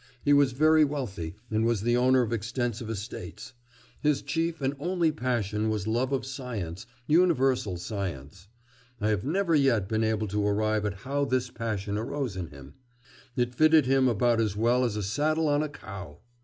He was very wealthy and was the owner of extensive estates. His chief and only passion was love of science, universal science. I have never yet been able to arrive at how this passion arose in him! It fitted him about as well as a saddle on a cow.